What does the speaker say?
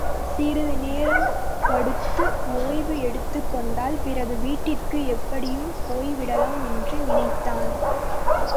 சிறிது நேரம் படுத்து, ஓய்வு எடுத்துக் கொண்டால், பிறகு வீட்டிற்கு எப்படியும் போய் விடலாம் என்று நினைத்தான்.